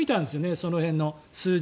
その辺の数字。